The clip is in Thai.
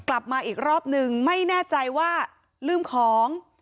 กลับมาอีกรอบนึงไม่แน่ใจว่าลืมของ